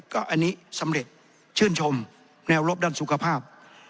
ก็อันนี้สำเร็จชื่นชมแนวรบด้านสุขภาพ